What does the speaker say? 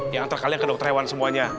yang antar kalian ke dokter hewan semuanya